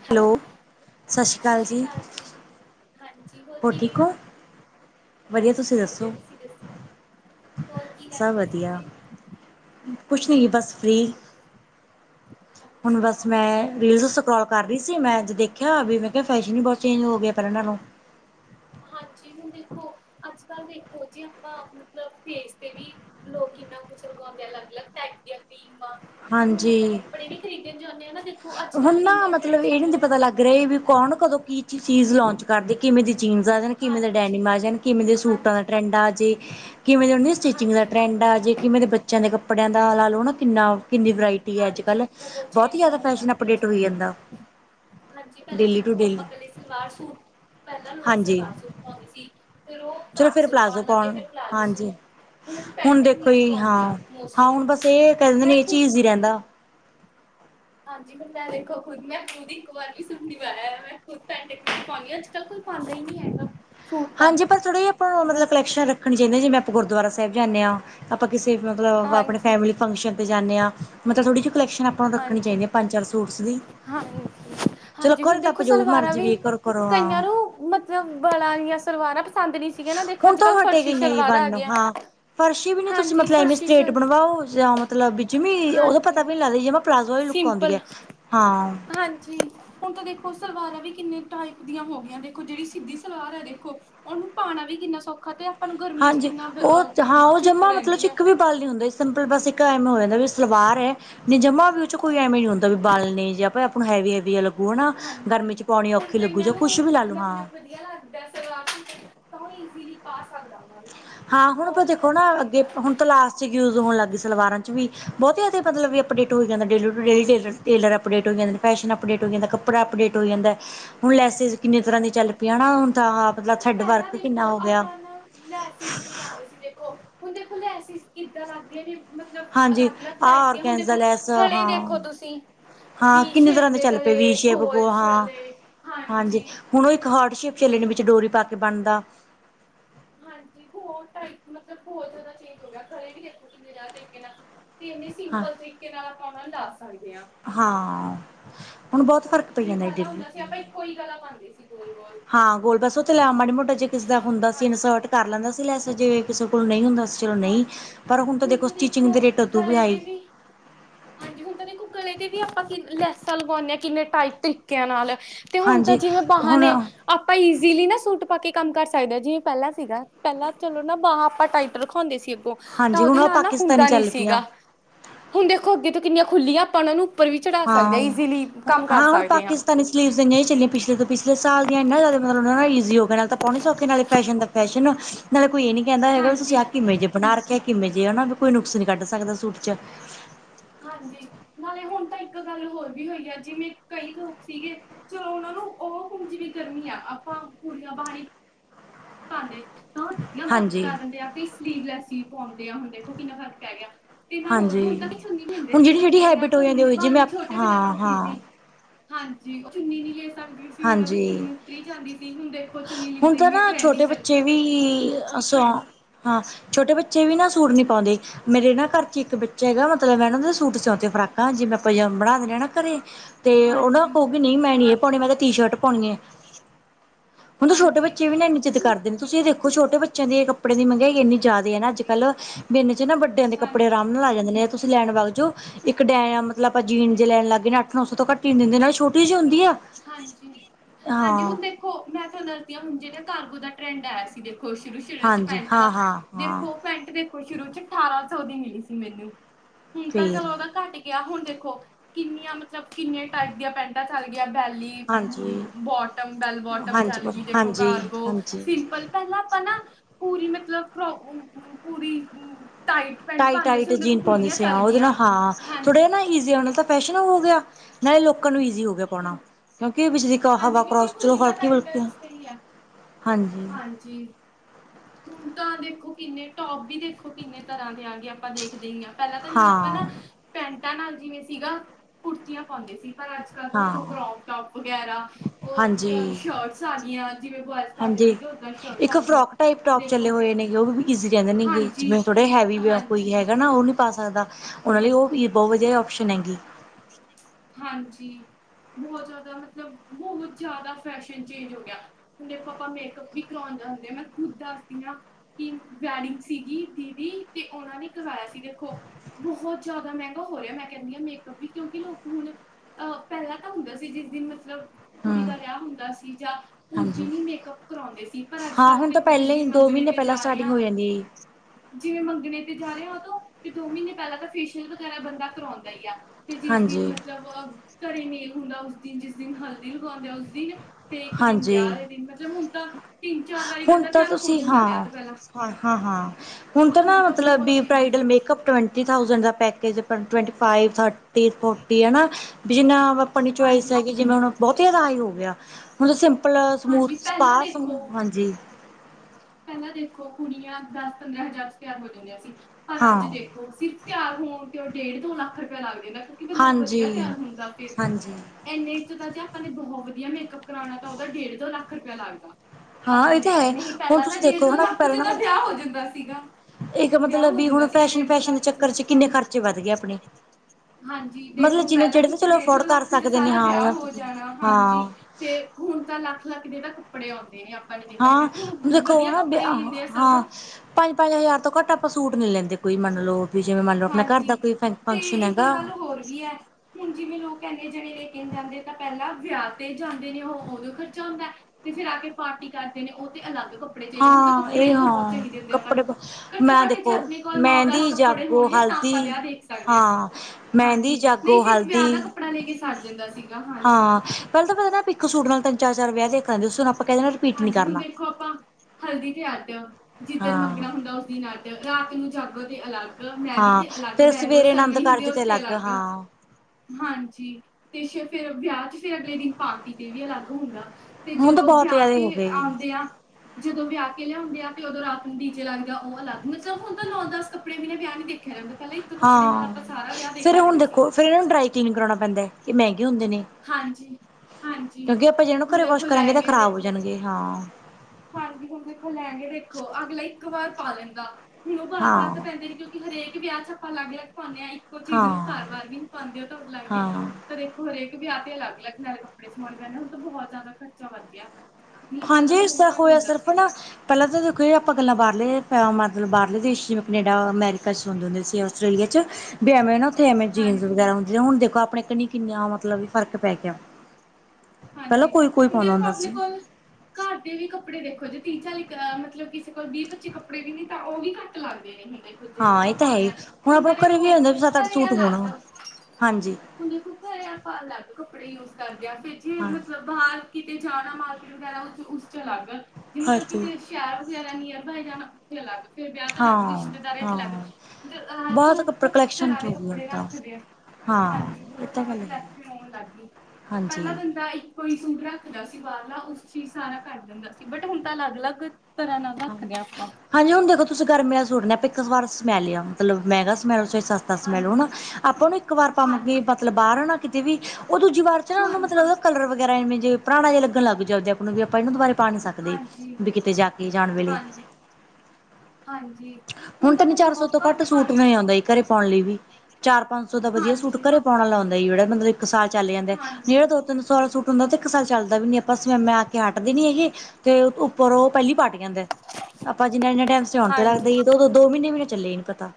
Hello, ਸਤਿ ਸ਼੍ਰੀ ਅਕਾਲ ਜੀ। ਹਾਂਜੀ, ਹੋਰ ਕਿਵੇਂ ਠੀਕ ਹੋ ਓ? ਵਧੀਆ ਹਾਂਜੀ ਤੁਸੀਂ ਮੈਂ ਵਧੀਆ, ਦੱਸੋ ਤੁਸੀ ਦੱਸੋ, ਹੋਰ ਕੀ ਕਰਦੇ ਸੀ ਜੀ? ਕੁਝ ਨਹੀਂ, ਬਸ ਫ੍ਰੀ। ਹੁਣ ਅੱਛਾ ਬਸ ਮੈਂ, ਰੀਲ ਸਕਰੋਲ ਕਰ ਰਹੀ ਸੀ, ਮੈਂ ਅੱਜ ਦੇਖਿਆ ਵੀ ਮੈਂ ਕਿਹਾ ਫੈਸ਼ਨ ਬਹੁਤ ਚੇਂਜ ਹੋਗਿਆ, ਪਹਿਲਾ ਨਾਲੋਂ। ਹਾਂਜੀ, ਹੁਨ ਦੇਖੋ ਅੱਜ-ਕੱਲ ਦੇਖੋ ਜੀ ਆਪਾ, ਮਤਲਬ ਫੇਸ ਤੇ ਵੀ ਲੋਕ ਕਿੰਨਾ ਕੁਝ ਲਗਾਉਂਦੇ ਆ, ਅਲੱਗ-ਅਲੱਗ ਪੈਕ ਦੀਆ ਬੀਮਾਂ ਜਿਵੇਂ, ਹੁਣ ਹਾਂਜੀ ਆਪਾਂ ਕੱਪੜੇ ਵੀ ਖਰੀਦਣ ਜਾਂਨੇੇ ਆ ਨਾ, ਦੇ ਹੁਣ ਨਾ, ਮਤਲਬ ਇਹ ਨੀ ਤੇ ਪਤਾ ਲੱਗ ਰਿਹਾ ਵੀ ਕੌਣ, ਕਦੋਂ ਕੀ ਚੀਜ਼ ਲੌਂਚ ਕਰਦੇ, ਕਿਵੇਂ ਦੀ ਜੀਨਸ ਆ, ਜਾਣ ਕਿਵੇਂ ਦਾ ਹਾਂਜੀ ਡੈਨਿਮ ਆ ਜਾਣ, ਕਿਵੇਂ ਦੇ ਸੂਟਾਂ ਦਾ ਹਾਂਜੀ ਟਰੈਂਡ ਆਜੇ। ਕਿਵੇਂ ਦੇ ਉਹਨਾ ਦੀ ਸਟਿਚਿੰਗ ਦਾ ਹਾਂਜੀ ਟਰੈਂਡ ਆਜੇ, ਕਿਵੇਂ ਦੇ ਬੱਚੇ ਬੱਚਿਆਂ ਦੇ ਕੱਪੜਿਆਂ ਦਾ ਲਾਲੋ, ਨਾ ਕਿੰਨਾ ਕਿੰਨੀ ਵਰਾਇਟੀ ਆ ਹਾਂਜੀ ਅੱਜ-ਕੱਲ ਬਹੁਤ ਹੀ ਚੇਂਜ ਜ਼ਿਆਦਾ ਹੋਣ ਫੈਸ਼ਨ ਲੱਗ ਗਿਆ ਅੱਜ ਅਪਡੇਟ ਕੱਲ ਹੋਈ ਜਾਂਦਾ। ਹਾਂਜੀ, ਪਹਿਲਾਂ ਡੇਲੀ ਟੂ ਦੇਖੋ ਡੇਲੀ ਆਪਾਂ ਕੱਲੇ ਸਲਵਾਰ ਸੂਟ, ਪਹਿਲਾਂ ਲੋਕ ਹਾਂਜੀ ਸਲਵਾਰ ਸੂਟ ਪਾਉਂਦੇ ਸੀ, ਫਿਰ ਉਹ ਚਲੋ ਫਰਾਕ ਫਿਰ ਸੂਟ ਪਲਾਜ਼ੋ ਲੱਗੇ ਪਾਉਣ, ਫਿਰ ਪਲਾਜੋ ਹਾਂਜੀ। ਸੂਟ ਹੁਣ ਪੈਂਟ ਦੇਖੋ ਕਮੀਜ਼ ਹੀ ਜੀ ਪਾਉਂਦੇ ਆ ਹਾਂ, ਹਾਂ ਹੁਣ ਮੋਸਟਲੀ ਬਸ ਇਹ ਕਹਿੰਦੇ ਮੈਂ ਨੇ ਇਹ ਖੁਦ ਚੀਜ਼ ਈ ਰਹਿੰਦਾ ਹਾਂਜੀ, ਹੁਣ ਮੈਂ ਵੇਖੋ, ਖੁਦ ਮੈਂ, ਖੁਦ ਇੱਕ ਵਾਰ ਵੀ ਸੂਟ ਨੀ ਪਾਇਆ ਮੈਂ, ਖੁਦ ਪੈਂਟ ਹੀ ਪਾਨੀ ਆ ਕਲ ਕੋਈ ਪਾਂਦਾ ਈ ਨੀ ਹੈਗਾ। ਸੂਟ ਤਾਂ ਹਾਂਜੀ, ਪਰ ਥੋੜਾ ਜੀ ਆਪਾਂ ਨੂੰ ਮਤਲਬ ਬਹੁਤ ਕਲੈਕਸਨ ਰੱਖਣੀ ਚਾਹੀਦੀ, ਜਿਵੇਂ ਆਪਾਂ ਗੁਰਦੁਆਰਾ ਸਾਹਿਬ ਜਾਂਨੇ ਆ। ਆਪਾਂ ਕਿਸੇ ਮਤਲਬ ਆਪਾਂ ਆਪਣੇ ਹਾਂਜੀ ਫੈਮਿਲੀ ਫੰਕਸ਼ਨ ਤੇ ਜਾਂਨੇ ਆ ਮਤਲਬ ਥੋੜ੍ਹੀ ਜਿਹੀ ਕਲੈਕਸ਼ਨ ਆਪਾਂ ਨੂੰ ਰੱਖਣੀ ਹਾਂਜੀ ਚਾਹੀਦੀ ਆ। ਹਾਂਜੀ ਚਲੋ ਹਾਂਜੀ ਘਰੇ ਹੁਣ ਤਾਂ ਦੇਖੋ ਆਪਾਂ ਜੋ ਸਲਵਾਰਾਂ ਮਰਜ਼ੀ ਵੀ ਕਰੋ ਕਰੋ ਕਈਆਂ ਹਾਂ ਨੂੰ ਮਤ [unintelligible] ਬਲਾ ਦੀਆਂ ਸਲਵਾਰਾਂ ਪਸੰ ਪਸੰਦ ਨੀ ਸੀਗੀਆਂ ਨਾ ਦੇਖੋ ਹੁਣ ਅੱਜ ਤਾਂ ਕੱਲ੍ਹ ਉਹ ਹਟੇ ਫਰਸ਼ੀ ਗਈਆਂ ਜੀ ਸ਼ਲਵਾਰਾ ਆ ਗਿਆ ਹਾਂਜੀ। ਏਵੇ ਫਰਸ਼ੀ ਸਟਰੇਟ ਸਲ ਬਣਵਾਓ ਜਾਂ ਮਤਲਬ ਵੀ ਜਮੀ ਉਹਦਾ ਪਤਾ ਹਾਂਜੀ ਵੀ ਨੀ ਲੱਗਦਾ ਜਮਾ ਸਿੰਪਲ ਹਾਂਜੀ। ਹੁਣ ਤਾਂ ਦੇਖੋ ਸਲਵਾਰਾਂ ਵੀ ਕਿੰਨੇ ਟਾਈਪ ਦੀਆਂ ਹੋ ਗਈਆਂ ਦੇਖੋ ਜਿਹੜੀ ਸਿੱਧੀ ਸਲਵਾਰ ਐ ਦੇਖੋ ਉਹਨੂੰ ਪਾਣਾ ਵੀ ਕਿੰਨਾ ਸੌਖਾ ਤੇ ਆ ਹਾਂਜੀ ਉਹ ਚ ਹਾਂ ਉਹ ਜਮਾ ਮਤਲਬ ਚ ਰਹਿੰਦੀ ਹੈ ਇੱਕ ਵੀ ਬਲ ਨੀ ਹੁੰਦੇ [unintelligible] ਬਸ ਇੱਕ ਐਵੇਂ ਹੋ ਜਾਂਦਾ ਵੀ‌ ਸਲਵਾਰ ਐ ਨਹੀਂ ਜਮਾ ਵੀ ਉਹ ਚ ਕੋਈ ਐਵੇਂ ਨੀ ਹੁੰਦਾ ਵੀ ਬਲ ਨਹੀਂ ਜਾ ਆਪਾ ਨੂੰ ਹੈਵੀ ਹੈਵੀ ਜਾ ਲੱਗ ਉਹ ਨਾ ਹਾਂਜੀ ਗਰਮੀ ਚ ਪਾਉਣੀ ਔਖੀ ਲੱਗੂ ਜਾ ਕੁੱਛ ਵੀ ਲਾ ਲੋ ਹਾਂ। [unintelligible] ਵੇਸੈ [unintelligible] ਚ [unintelligible] ਹਾਂ ਹੁਣ ਤੋ ਦੇਖੋ ਨਾ ਚੀਜ਼ ਅੱਗੇ ਆ ਹੁਣ ਤਾ ਲਾਸ ਟਿਕ ਯੂਜ ਹੋਣ ਲੱਗਈ ਸਲਵਾਰਾਂ ਚ ਵੀ ਬਹੁਤ ਜ਼ਿਆਦਾ ਮਤਲਬ ਵੀ ਅਪਡੇਟ ਹੋਈ ਜਾਂਦਾ daily to daily tailor update ਹੋਈ ਜਾਂਦੇ ਨੇ ਫੈਸ਼ਨ ਅਪਡੇਟ ਹੋਈ ਜਾਂਦਾ ਕੱਪੜਾ ਅਪਡੇਟ ਹੋਈ ਜਾਂਦਾ ਹੁਣ ਲੈਸਿਸ ਕਿੰਨੇ ਤਰ੍ਹਾਂ ਦੀਆਂ ਹਾਂਜੀ ਚੱਲ ਪਈਆਂ ਨਾ ਹੁਣ ਤਾਂ [unintelligible] ਥਰੈਡ ਪਹਿਲਾਂ ਵਰਕ ਕਿੰਨਾ ਦੇਖੋ ਆ ਗਿਆ। ਆਪਾਂ ਨਾ ਲੈਸਿਸ ਨੀ ਲਾਂਦੇ ਸੀ ਦੇਖੋ ਹੁਣ ਦੇਖੋ ਲੈਸਿਸ ਕਿੱਦਾਂ [unintelligible] ਵੀ ਮਤਲਬ ਹਾਂਜੀ ਅਲੱਗ ਅਲੱਗ ਆਹ ਟਾਈਪ ਦੀਆਂ ਹੁਣ ਔਰਗੈਨਜ਼ਾ ਦੇਖੋ ਲੈਸ ਗਲੇ ਹਾਂ ਦੇਖੋ ਤੁਸੀਂ ਹਾਂ ਵੀ ਕਿੰਨੇ ਤਰ੍ਹਾਂ ਸ਼ੇਪ ਦੇ ਚੱਲ ਪਏ ਗਲੇ ਵੀ ਸ਼ੇਪ ਗੋਲ ਕੋ ਹਾਂ ਗਲੇ ਹਾਂਜੀ। ਹੁਣ ਉਹ ਇੱਕ ਹਾਰਟ ਸੇਪ ਚੱਲੇ ਨੇ ਵਿੱਚ ਡੋਰੀ ਪਾ ਕੇ ਬਣਦਾ। ਹਾਂਜੀ ਬਹੁਤ ਟਾਇਪ ਮਤਲਬ ਬਹੁਤ ਜ਼ਿਆਦਾ ਚੇਂਜ ਹੋ ਗਿਆ ਗਲੇ ਵੀ ਦੇਖੋ ਕਿੰਨੇ ਜ਼ਿਆਦਾ ਤਰੀਕੇ ਨਾਲ ਤੇ ਇੰਨੇ ਹਾਂ ਸਿੰਪਲ ਤਰੀਕੇ ਨਾਲ ਆਪਾਂ ਉਹਨਾ ਨੂੰ ਦੱਸ ਸਕਦੇ ਹਾਂ। ਹਾਂ। ਹੁਣ ਬਹੁਤ ਫ਼ਰਕ ਪਈ ਜਿਵੇਂ ਜਾਂਦਾ ਏ ਪਹਿਲਾਂ ਡੇਲੀ ਹੁੰਦਾ ਸੀ ਆਪਾਂ ਇੱਕੋ ਹੀ ਗਲਾ ਪਾਉਂਦੇ ਸੀ ਗੋਲ-ਗੋਲ ਹਾਂ ਗੋਲ ਬਸ ਚਲ ਮਾੜੀ ਮੋਟਾ ਜੇ ਕਿਸੇ ਦਾ ਹੁੰਦਾ ਸੀ ਹਾਂਜੀ ਇਨਸਰਟ ਕਰ ਲੈਂਦਾ ਸੀ ਲੈਸ ਜੇ ਕਿਸੇ ਕੋਲ ਨਹੀਂ ਹੁੰਦਾ ਸੀ ਚਲੋ ਨਹੀਂ ਹਾਂਜੀ ਪਰ ਹੁਣ ਤਾਂ ਦੇਖੋ ਸਟੀਚਿੰਗ ਦੇ ਰੇਟ ਉਦੋਂ ਵੀ ਹਾਈ ਹਾਂਜੀ ਹੁਣ ਤਾਂ ਦੇਖੋ ਗਲੇ ਤੇ ਵੀ ਆਪਾਂ ਕਿ ਲੈਸਾਂ ਲਵਾਉਣੇ ਆ ਕਿੰਨੇ ਟਾਈਪ ਤਰੀਕਿਆਂ ਨਾਲ ਤੇ ਹੁਣ ਤਾਂ ਹਾਂਜੀ ਜਿਵੇਂ ਬਾਹਾਂ ਹੁਣ ਨੇ ਆਪਾਂ ਈਜ਼ੀਲੀ ਨਾ ਸੂਟ ਪਾ ਕੇ ਕੰਮ ਕਰ ਸਕਦੇ ਆ ਜਿਵੇਂ ਪਹਿਲਾਂ ਸੀਗਾ ਪਹਿਲਾਂ ਚਲੋ ਨਾ ਬਾਹਾਂ ਆਪਾਂ ਟਾਈਟ ਰਖ ਖਾਉਂਦੇ ਸੀ ਅੱਗੋ ਤਾਂ ਹਾਂਜੀ ਉਹਦੇ ਹੁਣ ਉਹ ਨਾਲ ਨਾ ਪਾਕਿਸਤਾਨੀ ਹੁੰਦਾ ਨੀ ਚੱਲ ਪਈਆਂ ਸੀਗਾ। ਹੁਣ ਦੇਖੋ ਅੱਗੇ ਤੋਂ ਕਿੰਨੀਆਂ ਖੁੱਲੀਆਂ ਆਪਾਂ ਇਹਨਾਂ ਨੂੰ ਉੱਪਰ ਵੀ ਚੜ੍ਹਾ ਸਕਦੇ ਆ ਹਾਂ। ਈਜ਼ੀਲੀ ਕੰਮ ਕਰ ਹਾਂ ਹੁਣ ਸਕਦੇ ਹਾਂ। [unintelligible] ਪਿਛਲੇ ਪਿਛਲੇ ਸਾਲ ਦੀਆਂ ਇਨੀਆ ਜ਼ਿਆਦਾ [unintelligible] ਈਜ਼ੀ ਹੋ ਗਿਆ ਨਾਲੇ ਤਾਂ ਪਾਉਣੇ ਸੌਖੇ ਨਾਲੇ ਫੈਸ਼ਨ ਦਾ ਫੈਸ਼ਨ ਨਾਲੇ ਕੋਈ ਇਹ ਨੀ ਕਹਿੰਦਾ ਹੈਗਾ ਵੀ ਤੁਸੀਂ ਹਾਂਜੀ ਆਹ ਕਿਵੇਂ ਜੇ ਬਣਾ ਰੱਖੇ ਕਿਵੇਂ ਜੇ ਆ ਨਾ ਵੀ ਕੋਈ ਨੁਕਸ ਨੀ ਕੱਢ ਸਕਦਾ ਸੂਟ ਚ। ਹਾਂਜੀ ਨਾਲੇ ਹੁਣ ਤਾਂ ਇੱਕ ਗੱਲ ਹੋਰ ਵੀ ਹੋਈ ਆ ਜਿਵੇਂ ਕਈ ਲੋਕ ਸੀਗੇ ਚਲੋ ਉਹਨਾਂ ਨੂੰ ਉਹ ਹੁਣ ਜਿਵੇਂ ਗਰਮੀ ਆ ਆਪਾਂ ਪੂਰੀਆਂ ਬਾਹਾਂ ਹਾਂਜੀ [unintelligible] ਸਲੀਵ ਲੈਸ ਸੀ ਪਾਉਂਦੇ ਆ ਹੁਣ ਦੇਖੋ ਕਿੰਨਾ ਫਰਕ ਪੈ ਗਿਆ। ਹਾਂਜੀ। ਹੁਣ ਜਿਹੜੀ ਜਿਹੜੀ ਹੈਬਿਟ ਹੋ ਜਾਂਦੀ ਉਹੀ ਜਿਵੇਂ [unintelligible] ਛੋਟੇ ਵੱਡੀਆ ਹਾਂ [unintelligible] ਕੀ ਹਾਂ ਸੀ। ਹਾਂਜੀ ਉਹ ਚੁੰਨੀ ਨਹੀਂ ਲੈ ਸਕਦੀ ਸੀਂ ਉਹਨਾਂ ਦੀ ਹਾਂਜੀ। ਚੁੰਨੀ ਉੱਤਰੀ ਜਾਂਦੀ ਸੀ ਹੁਣ ਦੇਖੋ ਚੁੰਨੀ ਹੁਣ ਲੈਂਦੇ ਤਾਂ ਨੇ। ਨਾ ਛੋਟੇ ਬੱਚੇ ਵੀ ਸੌ ਹਾਂ ਛੋਟੇ ਬੱਚੇ ਵੀ ਨਾ ਸੂਟ ਨਹੀਂ ਪਾਉਂਦੇ। ਮੇਰੇ ਨਾ ਘਰ ਚ ਇੱਕ ਬੱਚਾ ਹੈਗਾ ਮਤਲਬ ਇਹਨਾਂ ਦਾ ਸੂਟ ਸਿਉਂਦੇਉ। ਫਰਾਕਾਂ ਜਿਵੇਂ [unintelligible] ਬਣਾ ਦਿੰਦੇ ਆ ਨਾ ਘਰੇ ਤੇ ਉਹਨਾਂ ਹਾਂਜੀ, ਕਹੁੰਗੀ ਨਹੀਂ ਮੈਂ ਨੀ ਇਹ ਪਾਉਣੀ ਮੈਂ ਤਾਂ ਟੀ ਸ਼ਰਟ ਪਾਉਣੀ ਏ [inaudible] ਹੁਨ ਤੋਂ ਛੋਟੇ ਹਾਂਜੀ, ਬੱਚੇ ਵੀ ਨਾ ਇੰਨੀ ਜਿੱਦ ਕਰਦੇ ਨ ਤੁਸੀਂ ਦੇਖੋ ਕੁ ਛੋਟੇ ਬੱਚਿਆਂ ਦੇ ਕੱਪੜੇ ਦੀ ਮਹਿੰਗਾਈ ਏਨੀਂ ਜ਼ਿਆਦੇ ਅ ਨਾ ਅੱਜ ਕੱਲ ਵੀ ਇੰਨੇ'ਚ ਨਾ ਵੱਡੇਆਂ ਦੇ ਹਾਂਜੀ, ਕੱਪੜੇ ਆਰਾਮ ਨਾਲ ਆ ਜਾਂਦੇ ਨੇ ਤੁਸੀਂ ਲੈਣ ਵਗ ਜੋ ਇੱਕ [unintelligible] ਮਤਲਬ ਜੀਨ ਜੇ ਲੈਣ ਲੱਗ ਨਾ ਅੱਠ ਨੌ ਸੌ ਤੋਂ ਘੱਟ ਨੀ ਦਿੰਦੇ ਨਾਲੇ ਛੋਟੀ ਜੀ ਹੁੰਦੀ ਆ। ਹਾਂਜੀ, ਹਾਂਜੀ ਹਾਂ ਹੁਨ ਦੇਖੋ ਮੈਂ ਤੁਆਨੂੰ ਦੱਸਦੀ ਆ ਹੁਨ ਜਿਵੇਂ ਕਾਰਗੋ ਦਾ ਟਰੈਂਡ ਆਇਆ ਸੀ ਦੇਖੋ ਸ਼ੁਰੂ ਸ਼ੁਰੂ ਚ ਹਾਂਜੀ ਪੈਂਟ ਹਾਂ ਦਾ ਹਾਂ ਹਾਂ ਦੇਖੋ ਪੈਂਟ ਦੇਖ ਸ਼ੁਰੂ 'ਚ ਅਠਾਰਾਂ ਸੌ ਦੀ ਮਿਲੀ ਸੀ ਮੈਨੂੰ, ਹੁਨ ਤਾਂ ਚਲੋ ਫੇਰ ਓਦਾ ਘੱਟ ਗਿ ਗਯਾ ਹੁਨ ਦੇਖੋ ਕਿੰਨੀਆਂ ਮਤਲਬ ਕਿੰਨੇ ਟਾਈਪ ਦੀਆਂ ਪੈਂਟਾਂ ਚੱਲ ਗਈ ਬੈਲ ਲੀ, ਹਾਂਜੀ, ਬੋਟਮ ਬੈਲ ਬੋਟਮ ਹਾਂਜੀ, ਚੱਲ ਗੀ ਦੇਖੋ ਹਾਂਜੀ, ਕਾਰਗੋ ਹਾਂਜੀ। ਸਿੰਪਲ ਪੈਲਾਂ ਆਪਾਂ ਨਾ ਪੂਰੀ ਮਤਲਬ [unintelligible] ਪੂਰੀ ਟਾਈਟ ਪੈਂਟ ਟਾਈਟ ਪਾਉਂਦੇ ਸੀ ਟਾਈਟ ਹੁਣ ਦੇਖੋ ਜੀਨ ਪਾਉਂਦੇ ਖੁੱਲੀਆਂ ਸੀ ਹਾਂ ਚੱਲ ਓਦੇ ਗਈਆਂ ਨਾਲ ਹਾਂ ਥੋੜੇ ਹਾਂਜੀ ਜੇ ਨਾ ਈਜੀ਼ ਆਣਾ ਤਾਂ ਫੈਸ਼ਨ ਹੋ ਗਯਾ ਨਾਲੇ ਲੋਕਾਂ ਨੂੰ ਈਜ਼ੀ ਹੋ ਗਯਾ ਪਾਉਣਾ ਹਾਂਜੀ ਕਿਉਂਕਿ ਵਿੱਚ ਦੀ ਹਵਾ ਹਾਂਜੀ ਕਿਉਂਕਿ ਕਰੋਸ ਚਲੋ ਖੁੱਲੀਆਂ ਹਲਕੀ ਪੈਂਟਾਂ ਫੁਲਕੀਆਂ ਹਾਂਜੀ ਜੀ। ਹੁਨ ਤਾਂ ਦੇਖੋ ਕਿੰਨੇ ਟੋਪ ਵੀ ਦੇਖੋ ਕਿੰਨੇ ਤਰ੍ਹਾਂ ਦੇ ਆ ਗੇ ਆਪਾਂ ਦੇਖਦੇ ਈ ਆਂ। ਪੈਲਾਂ ਤਾਂ ਨਈ ਆਪਾਂ ਨਾ ਹਾਂ। ਪੈਂਟਾਂ ਨਾਲ ਜਿਵੇਂ ਸੀਗਾ ਕੁੜਤੀਆਂ ਪਾਉਂਦੇ ਸੀ ਪਰ ਅੱਜ ਕੱਲ ਤਾਂ ਦੇਖੋ ਹਾਂ, ਕਰੋਪ ਟੋਪ ਵਗੈਰਾ, ਓ ਹਾਂਜੀ, ਸ਼ਰਟਸ ਆ ਗਿਆਂ ਜਿਵੇਂ ਬੋਈਜ਼ ਹਾਂਜੀ ਇੱਕ ਫਰੋਕ ਟਾਈਪ ਟੋਪ ਚਲੇ ਦੇਖੋ ਹੋਏ ਨੇਗੇ ਓ ਵੀ ਈਜ਼ੀ ਰੈਂਦੇ ਨੈਗੇ ਹਾਂਜੀ ਜਿਵੇਂ ਥੋੜ੍ਹੇ ਹੈਵੀ ਵਿਅਰ ਕੋਈ ਹਾਂਜੀ ਹੈਗਾ ਨਾ ਓ ਨਈ ਪਾ ਸਕਦਾ ਓਨਾਂ ਲਈ ਹਾਂਜੀ ਓ ਬੋਤ ਵਦੀਆ ਓਪਸ਼ਨ ਹੈਗੀ। ਹਾਂਜੀ। ਬੋਹਤ ਜਾਦਾ ਮਤਲਬ ਬੋਹਤ ਜਾਦਾ ਫੈਸ਼ਨ ਚੇਂਜ ਹੋ ਗਯਾ। ਹੁਨ ਦੇਖੋ ਆਪਾਂ ਮੇਕਅਪ ਵੀ ਕਰਾਉਣ ਜਾਂਦੇ ਆ ਮੈਂ ਖੁਦ ਦੱਸਦੀ ਆ ਕਿ ਵੈਡਿੰਗ ਸੀਗੀ ਦੀਦੀ ਤੇ ਓਨਾਂ ਨੇ ਕਰਵਾਇਆ ਸੀ ਦੇਖੋ ਬੋਹਤ ਜਾਦਾ ਮੈਂਗਾ ਹੋ ਰੇਆ ਮੈਂ ਕੈਨੀ ਆ ਮੇ ਕਪ ਕਿਉਂਕਿ ਲੋਕ ਹੁਣ ਅਹ ਪੈਲਾਂ ਤਾਂ ਹੁੰਦਾ ਸੀ ਜਿਸ ਦਿਨ ਮਤਲਬ ਕੁੜੀ ਹੂੰ, ਦਾ ਵਿਆਹ ਹੁੰਦਾ ਸੀ ਜਾਂ ਉਸ ਹਾਂਜੀ ਦਿਨ ਈ ਮੇਕਅਪ ਕਰਾਉਂਦੇ ਸੀ ਪਰ ਹਾਂ ਅੱਜ-ਕੱਲ ਤਾਂ ਹੁਣ ਦੇਖੋ ਜਿਸ ਪਹਿਲਾਂ ਹੀ ਦਿਨ ਦੋ ਮੰਗਣੇ ਮਹੀਨੇ ਤੇ ਪਹਿਲਾਂ ਜਾ ਰੇ ਸਟਾਰਟਿੰਗ ਆਂ ਹੋ ਜਾਂਦੀ ਜਿਵੇਂ ਮੰਗਣੇ ਤੇ ਜਾ ਰੇ ਆਂ ਓਦੋਂ ਦੋ ਮਹੀਨੇ ਪੈਲਾਂ ਤਾਂ ਫੇਸ਼ੀਅਲ ਵਗੈਰਾ ਬੰਦਾ ਕਰਾਉਦਾ ਹੀ ਆ ਤੇ ਜਿਸ ਦਿਨ ਹਾਂਜੀ ਮਤਲਬ ਘਰੇ ਮੇਲ ਹੁੰਦਾ ਉਸ ਦਿਨ ਜਿਸ ਦਿਨ ਹਲਦੀ ਲਗਾਉਦੇ ਉਸ ਦਿਨ ਤੇ ਇੱਕ ਦਿਨ ਹਾਂਜੀ ਵਿਆਹ ਦੇ ਦਿਨ ਮਤਲਬ ਹੁਨ ਤਾਂ ਤਿੰਨ ਚਾਰ ਵਾਰੀ ਹੁਣ ਬੰਦਾ ਤਾਂ ਤਿਆਰ ਹੋ ਤੁਸੀਂ ਜਾਂਦਾ ਵਿਆਹ ਹਾਂ ਤੋਂ ਪੈਲਾਂ। ਹਾਂ ਹਾਂ, ਹੁਨ ਤਾਂ ਨਾ ਮਤਲਬ ਬਹੁਤ ਬੀ ਚੇਂਜਿਸ ਹੋ ਬਰਾਈਡਲ ਗਏ ਮੇਕਅੱਪ ਟਵਨ ਟੀ ਥਾਊਜੇਂਡ ਦਾ package, twenty five, thirty, forty ਹਨਾ ਬੀ ਜਿਨਾਂ ਅਪਨੀ ਚੁਆਇਸ ਹਾਂਜੀ ਹੈਗੀ ਜਿਵੇਂ ਹੁਣ ਬੋਤ ਜਾਦਾ ਹਾਈ ਹੋ ਗਯਾ। ਹੁਣ ਤਾਂ ਸਿੰਪਲ ਸਮੂਥ ਹਾਂਜੀ ਸਪਾ ਹਾਂਜੀ ਪੈਲਾਂ ਦੇਖੋ ਕੁੜੀਆਂ ਦਸ-ਪੰਦਰਾਂ ਹਜ਼ਾਰ 'ਚ ਤੈਯਾਰ ਹੋ ਜਾਂਦੀਆਂ ਸੀ ਪਰ ਹਾਂ ਅੱਜ ਦੇ ਖੋ ਸਿਰਫ ਤੈਯਾਰ ਹੋਣ ਤੇ ਓ ਡੇਢ ਦੋ ਲੱਖ ਰੁਪਇਆ ਲੱਗ ਜਾਂਦਾ ਕਿ ਕਿਉਂਕਿ ਬੰਦਾ ਹਾਂਜੀ ਵਦੀਆ ਤੈਯਾਰ ਹੁੰਦਾ ਫੇਰ। ਹਾਂਜੀ ਇੰਨੇ ਕ ਚ' ਆਪਾਂ ਨੇ ਬੋਹਤ ਵਦੀਆ ਮੇਕਅਪ ਕਰਵਾਉਣਾ ਤਾਂ ਓਦਾ ਡੇਢ ਦੋ ਲੱਖ ਰਪਇਆ ਲੱਗਦਾ। ਹਾਂ ਏ ਤਾਂ ਹੈ। ਹੁਣ ਪੈਲਾਂ ਤਾਂ ਤੁਸੀਂ ਡੇਢ ਦੇਖੋ ਦੋ ਹਨਾ ਲੱਖ 'ਚ ਪਹਿਲਾਂ ਤਾਂ ਨਾ ਵਿਆਹ ਹੋ ਜਾਂਦਾ ਸੀਗਾ। ਇੱਕ ਵਿਆਹ ਮਤਲਬ ਹੋ ਵੀ ਹੁਣ ਜਾਂਦਾ ਸੀਗਾ ਫੈਸ਼ਨ ਡੇਢ ਦੋ ਫੈਸ਼ਨ ਦੇ ਲੱਖ 'ਚ ਚੱਕਰ ਕਿੰਨੇ ਹਾਂਜੀ। ਖਰਚੇ ਵੱਧ ਗਏ ਆਪਣੇ ਹਾਂਜੀ ਮਤਲਬ ਦੇਖੋ ਜਿਨੇ ਪੈਲਾਂ ਜਿਹੜੇ ਤਾਂ ਕਿੱਥੇ ਚਲੋ ਡੇਢ ਦੋ ਅਫੋਰਡ ਕਰ ਲੱਖ 'ਚ ਸਕਦੇ ਨੇ ਸਾਰਾ ਹਾਂ ਵਿਆਹ ਉਹਨਾਂ ਹੋ ਜਾਣਾ ਹਾਂਜੀ। ਹਾਂ ਤੇ ਹੁਣ ਤਾਂ ਲੱਖ-ਲੱਖ ਤੇ ਦਾ ਕੱਪੜੇ ਆਉਂਦੇ ਨੇ ਆਪਾਂ ਨੇ ਦੇਖੇਆ [unintelligible] ਹੁਨ ਦੇਖੋ ਹਨਾ [unintelligible] ਹਾਂ ਪੰਜ-ਪੰਜ ਹਜ਼ਾਰ ਤੋਂ ਘੱਟ ਆਪਾਂ ਸੂਟ ਨਹੀ ਲੈਂਦੇ ਕੋਈ ਮੰਨ ਲੋ ਵੀ ਜਿਵੇਂ ਮੰਨ ਲੋ ਅਪਨਾ ਘਰ ਹਾਂਜੀ ਦਾ ਕੋਈ ਤੇ ਫੰਕਸ਼ਨ ਇੱਕ ਹੈਗਾ ਗੱਲ ਹੋਰ ਵੀ ਹੈ ਹੁਣ ਜਿਵੇਂ ਲੋਕ ਇੰਨੇ ਜਣੇ ਲੈ ਕੇ ਜਾਂਦੇ ਤਾਂ ਪਹਿਲਾਂ ਵਿਆਹ ਤੇ ਜਾਂਦੇ ਨੇ ਉਹ ਉਦੋਂ ਖਰਚਾ ਹੁੰਦਾ ਤੇ ਫਿਰ ਆ ਕੇ ਪਾਰਟੀ ਕਰਦੇ ਨੇ ਉਹ ਤੇ ਅਲੱਗ ਕੱਪੜੇ ਜਿ ਹੁਣ ਤਾਂ ਹਾਂ ਕੱਪੜੇ ਇਹ ਬਹੁਤ ਹਾਂ ਚਾਹੀਦੇ ਹੁੰਦੇ ਨੂੰ ਕੱਪੜੇ ਘੱਟੋ ਮੈਂ ਘੱਟ ਜੇ ਦੇਖੋ ਆਪਣੇ ਕੋਲ ਨੌ ਦਸ ਮਹਿੰਦੀ ਕੱਪੜੇ ਜਾਗੋ ਹੋਣਗੇ ਤਾਂ ਹਲਦੀ ਆਪਾਂ ਵਿਆਹ ਦੇਖ ਸਕਦੇ ਹਾਂ ਮਹਿੰਦੀ ਹਾਂਜੀ, ਨਹੀਂ ਜਾਗੋ ਸਿਰਫ ਹਲਦੀ ਵਿਆਹ ਦਾ ਕੱਪੜੇ ਲੇਕੇ ਸਰ ਜਾਂਦਾ ਸੀ। ਹਾਂ ਪਹਿਲਾਂ ਤਾਂ ਪਤਾ ਨਾ ਆਪ ਇੱਕ ਸੂਟ ਨਾਲ ਤਿੰਨ ਚਾਰ -ਚਾਰ ਵਿਆਹ ਦੇਖ ਲੈਂਦੇ, ਹੁਣ ਆਪਾਂ ਕਹਿੰਦੇ ਰਿਪੀਟ ਨੀ ਹਾਂਜੀ ਹੁਣ ਕਰਨਾ। ਦੇਖੋ ਆਪਾਂ ਹਲਦੀ ਤੇ ਅੱਡ, ਜਿੱਦਣ ਹਾਂ ਮੰਗਣਾ ਹੁੰਦਾ ਉਸ ਦਿਨ ਅੱਡ, ਅੱਜ ਰਾਤ ਨੂੰ ਜਾਗੋ ਤੇ ਅਲੱਗ। ਮਹਿੰਦੀ ਹਾਂ ਤੇ ਅਲੱਗ, ਫੇਰ ਬੈਂਗਲ ਸਵੇਰੇ ਆਨੰਦ ਸੇਰੇਮਨੀ ਹੁੰਦੀ ਕਾਰਜ ਉਸ ਤੇ ਅਲੱਗ। ਹਾਂ ਹਾਂਜੀ, ਤੇ ਫਿਰ ਵਿਆਹ ਚ ਫਿਰ ਪਾਰਟੀ ਤੇ ਵੀ ਅਲੱਗ ਹੁੰਦਾ। ਤੇ ਹੁਣ ਤਾਂ ਜਦੋਂ ਬਹੁਤ ਵਿਆਹ ਜ਼ਿਆਦਾ ਹੋ ਕੇ ਗਏ ਜੀ ਆਉਂਦੇ ਆ ਜਦੋਂ ਵਿਆਹ ਕੇ ਲਿਆਉਦੇ ਆ ਤੇ ਉਦੋਂ ਰਾਤ ਨੂੰ ਡੀ ਜੇ ਲਗਦੇ ਆ, ਉਹ ਅਲੱਗ, ਮਤਲਬ ਹੁਣ ਤਾਂ ਨੌ ਦਸ ਕੱਪੜੇ ਵੀ ਨੇ ਵਿਆਹ ਦੇਖ ਪਹਿਲਾਂ ਇੱਕ ਕੱਪੜੇ ਨਾਲ ਹਾਂ ਆਪਾਂ ਸਾਰਾ ਵਿਆਹ ਦੇਖ ਲੈਂਦੇ ਸੀ‌। ਯਕੀਨ ਕਰਵਾਉਣਾ ਪੈਂਦਾ ਇਹ ਮਹਿੰਗੇ ਹੁੰਦੇ ਨੇ। ਹਾਂਜੀ ਹਾਂਜੀ ਕਿਉਂਕਿ, ਆਪਾਂ ਜਿਹਨੂੰ ਹੁਣ ਘਰੇ ਦੇਖੋ ਵਾਸ਼ ਕਰਾਂਗੇ ਤਾਂ ਲਹਿੰਗੇ ਖ਼ਰਾਬ ਹੋ ਦੇਖੋ ਜਾਣਗੇ ਹਾਂ। ਹਾਂਜੀ ਹੁਣ ਦੇਖੋ ਮੈਣਗੇ ਦੇਖੋ ਅਗਲਾ ਇੱਕ ਵਾਰ ਪਾ ਲੈਂਦਾ ਹੁਣ ਉਹ ਬਾਰ ਵਾਰ ਹਾਂ ਤਾਂ ਕਹਿੰਦੇ ਨੇ ਕਿਉਂ। ਹਰੇਕ ਵਿਆਹ ਚ ਆਪਾਂ ਅਲੱਗ-ਅਲੱਗ ਪਾਉਂਦੇ ਹਾਂ, ਇੱਕੋ ਚੀਜ਼ ਨੂੰ ਹਾਂ ਹਾਰ ਵਾਰ ਵੀ ਨ ਪਾਉਂਦੇ। ਹਾਂ ਤਾਂ ਦੇਖੋ ਹਰੇਕ ਵਿਆਹ ਅਲੱਗ- ਅਲੱਗ ਨਾਲੇ ਕੱਪੜੇ ਸਮਾਉਂਦੇ ਉਹਨਾਂ ਨੂੰ ਤਾਂ ਬਹੁਤ ਜਿਆਦਾ ਖਰਚਾ ਵੱਧ ਗਿਆ। ਨਹੀਂ ਹਾਂਜੀ, ਪਹਿਲਾਂ [unintelligible] ਤਾਂ ਸਾ ਬਹੁਤ ਘੱਟ ਹੋਇਆ ਹੁੰਦਾ ਸੀ ਸਰਫਨਾ ਪਹਿਲਾਂ ਤਾਂ ਦੇਖੋ ਆਪਾਂ ਗੱਲਾਂ ਬਾਰ ਲਏ ਮਤਲਬ ਬਾਹਰਲੇ ਦੇਸ਼ ਜਿਵੇਂ ਕਨੇਡਾ ਅਮੈਰੀਕਾ 'ਚ ਹੁੰਦੇ ਸੀ ਆਸਟ੍ਰੇਲੀਆ 'ਚ ਵੀ ਐਵੇਂ ਨਾ ਉੱਥੇ ਐਵੇਂ ਜੀਨ ਹਾਂਜੀ ਵਗੈਰਾ ਹੁੰਦੀ, ਹੁਣ ਦੇਖੋ ਆਪਣੇ ਕਿੰਨੀ ਕਿੰਨਾ ਮਤਲਬ ਫ਼ਰਕ ਪੈ ਗਿਆ, ਪਹਿਲਾਂ ਹਾਂਜੀ ਕੋਈ -ਕੋਈ ਹੁਣ ਪਾਉਂਦਾ ਦੇਖੋ ਹੁੰਦਾ ਆਪਣੇ ਸੀ। ਕੋਲ ਘਰ ਦੇ ਵੀ ਕੱਪੜੇ ਦੇਖੋ ਜੇ ਤੀਹ ਚਾਲੀ ਮਤਲਬ ਕਿਸੇ ਕੋਲ ਵੀਹ ਪੱਚੀ ਕੱਪੜੇ ਵੀ ਨੇ, ਤਾਂ ਉਹ ਵੀ ਘੱਟ ਲੱਗਦੇ ਨੇ। ਜਿਹੜੇ ਹਾਂ ਆਪਾਂ ਇਹ ਤਾਂ ਹੈ ਪਾਉਂਦੇ ਹੀ ਹਾਂ, ਹੁਣ ਆਪਾਂ ਤਾਂ ਨੂੰ ਘਰੇ ਦੇਖੋ ਵੀ ਹੁੰਦਾ ਵੀ ਸੱਤ ਅੱਠ ਘਰੇ ਆ ਸੂਟ ਹੋਣ ਅਲੱਗ। ਹਾਂਜੀ ਹੁਣ ਦੇਖੋ ਘਰੇ ਆਪਾਂ ਅਲੱਗ ਕੱਪੜੇ ਯੂਜ ਕਰਦੇ ਹ ਫੇਰ ਹਾਂ। ਬਾਹਰ ਕਿਤੇ ਜਾਣਾ ਮਾਰਕੀਟ ਵਗੈਰਾ ਉਹ ਉਸ ਚ ਅਲੱਗ। ਹਾਂਜੀ। ਤਿਆਰ ਹੋ ਜਾ ਅਨਨੀਆ ਕੋਲ ਜਾਣਾ। [unintelligible] ਥੇ ਅਲੱਗ, ਫੇਰ ਵਿਆਹ ਚ ਅਲਗ, ਹਾਂ, ਰਿਸ਼ਤੇਦਾਰਾਂ ਚ ਅਲੱਗ, ਹਾਂ ਰਾਤ ਬਹੁਤ ਕੱਪੜੇ ਰਾ ਕਲੈਕਸ਼ਨ ਤਰਾਂ ਚ ਦੇ ਹੋ ਗਈ ਹੁਣ ਕੱਪੜੇ ਤਾਂ। ਰੱਖਦੇ ਆ। ਹਾਂ, ਹਾਂਜੀ, ਇਹ ਬਹੁਤ ਤਾਂ ਜ਼ਿਆਦਾ ਗੱਲ ਹੈ ਕਲੈਕਸ਼ਨ ਹੋਣ ਲੱਗ ਗਈ, ਪਹਿਲਾਂ ਹਾਂਜੀ। ਬ ਦਾ ਇੱਕ ਈ ਸੂਟ ਰੱਖਦਾ ਸੀ ਬਾਹਰਲਾ, ਉਸ ਚ ਸਾਰਾ ਘੱਟ ਦਿੰਦਾ ਸੀ, ਬਟ ਹੁਣ ਤਾਂ ਅਲੱਗ- ਅਲੱਗ ਤਰ੍ਹਾਂ ਨਾਲ ਰੱਖਦੇ ਆਪਾਂ। ਹਾਂਜੀ, ਹੁਣ ਦੇਖੋ ਤੁਸੀਂ ਗਰਮੀਆਂ ਦਾ ਸੂਟ ਨੇ ਆਪਾਂ ਇੱਕ ਵਾਰ ਸਮੈਲ ਆ, ਮਤਲਬ ਮਹਿੰਗਾ ਸਮੈਲ। ਦਸ ਮੈ ਮੈਨੂੰ ਹਨਾ, ਹਾਂਜੀ ਆਪਾਂ ਇੱਕ ਵਾਰ ਹਾਂਜੀ ਪਾਵਾਂਗੇ ਮਤਲਬ ਬਾਹਰ ਨਾ ਕਿਤੇ ਵੀ, ਦੂਜੀ ਵਾਰ ਚ ਨਾ ਉਹਨੂੰ ਮਤਲਬ ਹਾਂਜੀ ਉਹਦਾ ਕਲਰ ਵੇ ਜੇ ਪੁਰਾਣਾ ਜਿ ਲੱਗਣ ਲੱਗ ਜਾਂਦੇ, ਆਪਾਂ ਨੂੰ ਵੀ ਆਪਾਂ ਇਹਨੂੰ ਦੁਬਾਰਾ ਪਾ ਨਹੀ ਸਕਦੇ ਹਾਂਜੀ ਵੀ ਕਿਤੇ ਜਾ ਕੇ ਕੀ ਜਾਣ ਵੇਲੇ। ਹਾਂਜੀ ਹਾਂਜੀ। ਹੁਣ ਤਾਂ ਤਿੰਨ ਆਪਾਂ ਚਾਰ ਸੌ ਤੋਂ ਬਹੁਤ ਘੱਟ ਸੂਟ ਪਾਉਂਦੇ ਹਾਂ ਨਹੀ ਆਉਂਦਾ, ਘਰੇ ਪਾਉਣ ਲਈ ਵੀ। ਚਾਰ ਪੰਜ ਸੋ ਦਾ ਵਧੀਆ ਸੂਟ ਹਾਂਜੀ ਘਰੇ ਪਾਉਣ ਆਲਾ ਆਉਂਦਾ, ਜਿਹੜਾ ਮਤਲਬ ਇੱਕ ਸਾਲ ਚੱਲ ਜਾਂਦਾ, ਜਿਹੜਾ ਹਾਂਜੀ ਦੋ-ਤਿੰਨ ਸੌ ਵਾਲਾ ਸੂਟ ਹੁੰਦਾ ਉਹ ਤਾਂ ਇੱਕ ਸਾਲ ਚਲਦਾ ਵੀ ਨਹੀਂ, ਮੈਂ ਹਟਦੇ ਵੀ ਨਹੀਂ ਹੈਗੀ। ਤੇ ਉੱਪਰ ਉਹ ਪਹਿਲੀ ਪਾਰਟੀ ਆਪਾਂ ਜਿਨਾਂ ਨੇ ਟਾਈਮ ਚ ਆਉਣ ਤੇ ਹਾਂਜੀ ਲੱਗਦਾ, ਦੋ ਮਹੀਨੇ ਵੀ ਨਾ ਚੱਲੇ ਇਹਨੂੰ ਪਤਾ।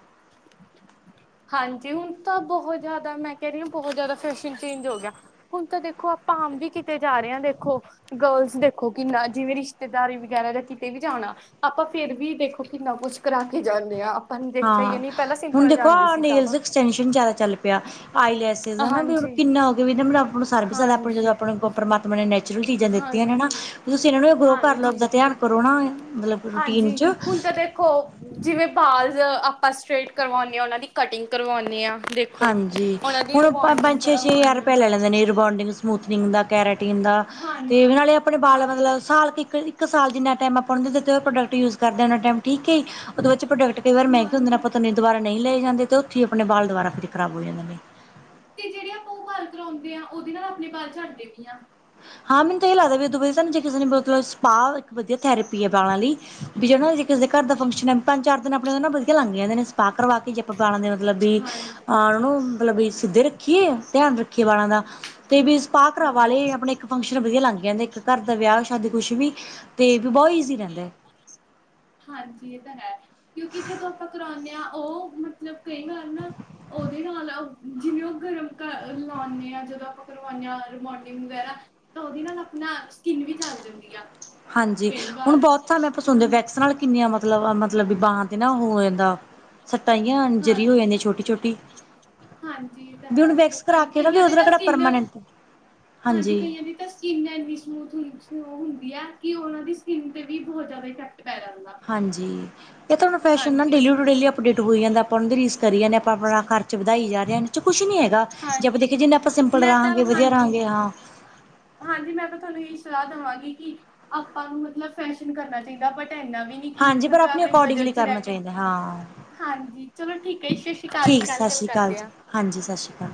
ਹਾਂਜੀ, ਹੁਣ ਤਾਂ ਬਹੁਤ ਜ਼ਿਆਦਾ ਮੈਂ ਕਹਿ ਰਹੀ ਹਾਂ, ਬਹੁਤ ਜ਼ਿਆਦਾ ਫੈਸ਼ਨ ਚੇਂਜ ਹੋ ਗਿਆ। ਹੁਣ ਤਾਂ ਦੇਖੋ ਆਪਾਂ ਆਮ ਵੀ ਕਿਤੇ ਜਾ ਰਹੇ ਆ ਦੇਖੋ ਗਰਲਸ ਦੇਖੋ ਕਿੰਨਾ ਜਿਵੇਂ ਰਿਸ਼ਤੇਦਾਰੀ ਵਗੈਰਾ ਜਾਂ ਕਿਤੇ ਵੀ ਜਾਣਾ ਆਪਾਂ ਫੇਰ ਵੀ ਦੇਖੋ ਕਿੰਨਾ ਕੁਝ ਕਰਾ ਕੇ ਜਾਂਨੇ ਆ ਆਪਾਂ ਨੇ ਦੇਖਿਆ ਈ ਆ ਨਹੀ ਪਹਿਲਾਂ ਸਿੰਪਲ ਜਾਂਦੇ ਸੀ। ਸਭ ਨੇੇਲਜ ਐਕਸਟੈਂਸ਼ਨ ਜ਼ਿਆਦਾ ਚੱਲ ਪਿਆ, ਆਈਲੈਸਿਸ ਹਨਾ ਵੀ ਹਾਂਜੀ ਕਿੰਨਾ ਹੋ ਗਿਆ ਵੀ ਇਹਨਾ ਬਿਨਾਂ ਆਪਾਂ ਨੂੰ ਸਰ ਵੀ ਸਕਦਾ ਆਪਾਂ ਨੂੰ ਜਦੋਂ ਹਾਂਜੀ ਆਪਾਂ ਨੂੰ ਪਰਮਾਤਮਾ ਨੇ ਨੈਚੁਰਲ ਚੀਜ਼ਾਂ ਦਿੱਤੀਆਂ ਨੇ ਨਾ, ਹਾਂਜੀ ਤੁਸੀਂ ਇਹਨਾਂ ਨੂੰ ਗਰੋ ਕਰ ਲਓ ਹਾਂਜੀ ਆਪਦਾ ਧਿਆਨ ਕਰੋ ਨਾ ਮਤਲਬ ਰੂਟੀਨ ਹਾਂਜੀ, ਚ ਹੁਣ ਤਾਂ ਦੇ ਖੋ ਜਿਵੇਂ ਬਾਲਜ਼ ਆਪਾਂ ਸਟਰੇਟ ਕਰਵਾਉਂਨੇ ਆ ਉਹਨਾਂ ਦੀ ਕਟਿੰਗ ਕਰਵਾਉਂਨੇ ਆ ਦੇ ਹਾਂਜੀ, ਹੁਣ ਪੰਜ ਛੇ-ਛੇ ਹਜ਼ਾਰ ਕਰਵਾਉਂਦੇ ਹਾਂ ਰੁਪਇਆ ਲੈ ਲੈਂਦੇ ਨੇ ਰਬੋਂਡਿੰਗ ਸਮੂਥਨਿੰਗ ਦਾ, ਕੈਰਾਟੀਨ ਦਾ, ਤੇ ਉਹ ਹਾਂਜੀ ਨਾਲੇ ਆਪਣੇ ਬਾਲ ਹਾਂਜੀ ਮਤਲਬ ਸਾਲ ਕੁ ਇੱਕ ਇੱਕ ਸਾਲ ਜਿੰਨਾ ਟੈਮ ਆਪਾਂ ਨੂੰ ਦਿੰਦੇ ਉਹਨਾਂ ਦੇ ਪ੍ਰੋਡਕਟ ਯੂਜ ਕਰਦੇ ਆ ਉਹਨਾਂ ਟੈਮ ਠੀਕ ਏ ਉਹਦੇ ਵਿੱਚ ਪ੍ਰੋਡਕਟ ਕਈ ਵਾਰ ਮਹਿੰਗੇ ਹੁੰਦੇ ਨੇ ਹਾਂਜੀ ਪਤਾ ਨਹੀਂ ਦੁਬਾਰਾ ਨਹੀਂ ਲਏ ਜਾਂਦੇ ਅਤੇ ਉੱਥੇ ਹੀ ਆਪਣੇ ਬਾਲ ਦੁਬਾਰਾ ਫਿਰ ਖ਼ਰਾਬ ਹੋ ਜਾਂਦੇ ਨੇ। ਤੇ ਜਿਹੜੇ ਆਪਾਂ ਉਹ ਬਾਲ ਕਰਾਉਂਦੇ ਆ ਉਹਦੇ ਨਾਲ ਆਪਣੇ ਬਾਲ ਝਦੇ ਝੜਦੇ ਵੀ ਆ। ਹਾਂ ਮੈਨੂੰ ਤਾਂ ਇਹ ਲੱਗਦਾ ਵੀ ਉਦੋਂ ਵਧੀਆ ਜੇ ਸਾਨੂੰ ਕਿਸੇ ਨੇ ਮਤਲਬ ਸਪਾ ਇੱਕ ਵਧੀਆ ਥੈਰੇਪੀ ਹੈ ਵਾਲਾਂ ਲਈ। ਵੀ ਜਿਹੜੀ ਕਿਸੇ ਘਰ ਦਾ ਫੰਕਸ਼ਨ ਹੈ ਪੰਜ ਚਾਰ ਦਿਨ ਆਪਣੇ ਵਧੀਆ ਲੰਘ ਜਾਂਦੇ ਨੇ ਸਪਾ ਕਰਵਾ ਕੇ ਜੇ ਆਪਾਂ ਬਾਲਾ ਦੇ ਮਤਲਬ ਵੀ ਹਾਂਜੀ ਉਹਨਾਂ ਨੂੰ ਮਤਲਬ ਵੀ ਸਿੱਧੇ ਰੱਖੀਏ, ਧਿਆਨ ਰੱਖੀਏ ਵਾਲਾਂ ਦਾ ਤੇ ਵੀ ਸਪਾ ਕਰਵਾ ਹਾਂਜੀ ਲਏ ਆਪਣੇ ਫੰਕਸ਼ਨ ਵਧੀਆ ਲੰਘ ਜਾਂਦੇ ਇੱਕ ਘਰ ਦਾ ਵਿਆਹ ਸ਼ਾਦੀ ਕੁਛ ਵੀ, ਤੇ ਵੀ ਬਹੁਤ ਈਜ਼ੀ ਰਹਿੰਦਾ। ਹਾਂਜੀ ਇਹ ਤਾਂ ਹੈ, ਕਿਉਂਕਿ ਜਦੋਂ ਆਪਾਂ ਕਰਾਉਂਨੇ ਆ ਉਹ ਮਤਲਬ ਕਈ ਵਾਰ ਨਾ ਉਹਦੇ ਨਾਲ ਜਿਵੇਂ ਉਹ ਕਰ ਲਾਉਨੇ ਆ ਜਦੋਂ ਆਪਾਂ ਕਰਵਾਉਨੇ ਆ ਰੀਬੋਨਡਿੰਗ ਵਗੈਰਾ ਤਾਂ ਉਹਦੇ ਨਾਲ ਆਪਣਾ ਸਕਿੰਨ ਵੀ ਜਲ ਜਾਂਦੀ ਆ। ਹਾਂਜੀ, ਕਈ ਹੁਣ ਵਾਰ ਬਹੁਤ ਥਾਵੇ ਹਾਂ ਸੁਣਦੇ ਆਂ ਵੈਕਸ ਨਾਲ ਕਿੰਨੀਆਂ ਮਤਲਬ ਮਤਲਬ ਵੀ ਬਾਂਹਾ ਤੇ ਉਹੋ ਹੋ ਜਾਂਦਾ, ਸੱਟਾਂ ਜੀਆਂ ਇੰਜਰੀ ਹੋ ਹਾਂਜੀ ਜਾਂਦੀ ਛੋਟੀ-ਛੋਟੀ। ਹਾਂਜੀ ਇਹ ਤਾਂ ਹੈ ਕਈ ਕੇ ਨਾ ਵੀ ਕਈਆਂ ਦੀ ਉਹਦੇ ਨਾਲ ਕਿਹੜਾ ਸਕਿਨ, ਪਰਮਾਨੈਂਟ ਹਾਂਜੀ ਕਈਆਂ ਦੀ ਤਾਂ ਸਕਿੰਨ ਇੰਨੀ ਸਮੂਥ ਹੁੰਦੀ ਆ ਕਿ ਉਹਨਾਂ ਦੀ ਸਕਿੰਨ ਤੇ ਵੀ ਬਹੁਤ ਜ਼ਿਆਦਾ ਇਫੈਕਟ ਪੈ ਜਾਂਦਾ। ਹਾਂਜੀ, ਇਹ ਤੁਹਾਨੂੰ ਫੈਸ਼ਨ ਨਾ ਹਾਂਜੀ ਇਹ ਡੇਲੀ ਤੇ ਟੂ ਡੇਲੀ ਅਪਡੇਟ ਹੋ ਜਾਂਦਾ। ਆਪਾਂ ਉਹਨਾਂ ਦੀ ਰੀਸ ਕਰੀ ਜਾਂਨੇ ਆ ਆਪਾਂ ਆਪਣਾ ਖਰਚ ਵਧਾਈ ਜਾ ਰਹੇ ਆ ਇਹ 'ਚ ਕੁਛ ਨੀ ਹੈਗਾ। ਜੇ ਆਪਾਂ ਹਾਂਜੀ ਦੇਖੀਏ ਜਿਨੇ ਆਪਾਂ ਸਿੰਪਲ ਮੈਂ ਤਾਂ ਰਹਾਂਗੇ ਵਧੀਆ ਹਾਂਜੀ ਰਹਾਂਗੇ ਹਾਂ। ਹਾਂਜੀ ਮੈਂ ਤਾਂ ਤੁਹਾਨੂੰ ਇਹੀ ਸਲਾਹ ਦਵਾਂਗੀ ਕਿ ਆਪਾਂ ਨੂੰ ਮਤਲਬ ਫੈਸ਼ਨ ਕਰਨਾ ਚਾਹੀਦਾ ਬਟ ਇੰਨਾ ਵੀ ਨਹੀ ਕੀ ਹਾਂਜੀ ਪਰ ਮਤਲਬ ਆਪਣੇ ਅਕੋਰਡਿੰਗਲੀ ਬਜਟ 'ਚ ਕਰਨਾ ਰਹਿ ਕੇ। ਚਾਹੀਦਾ ਹਾਂ ਹਾਂਜੀ ਚਲੋ ਠੀਕ ਹੈ ਜੀ ਸਸ਼ੀ ਕਾਲ ਜੀ ਠੀਕ ਕੱਲ ਸਤਿ ਗੱਲ ਸ਼੍ਰੀ ਅਕਾਲ ਕਰਦੇ ਜੀ ਆ। ਹਾਂਜੀ ਸਸ਼ੀ ਕਾਲ।